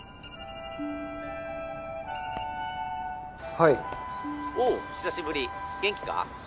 はい☎おう久しぶり元気か？